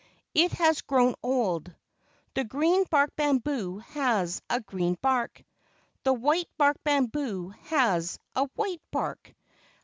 It has grown old. The green barked bamboo has a green bark; The white barked bamboo has a white bark.